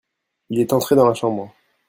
Il est entré dans la chambre.